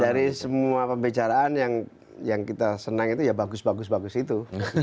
dari semua pembicaraan yang yang kita senang itu yah bagus bagus itu